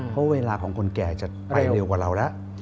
เพราะเวลาของคนแก่จะไปเร็วกว่าเราแล้ว